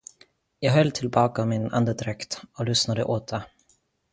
Jag höll tillbaka min andedräkt och lyssnade åter.